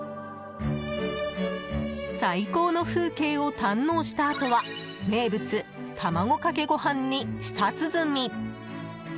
最高の風景を堪能したあとは名物・卵かけごはんに舌つづみ。